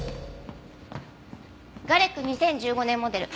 ガレック２０１５年モデル。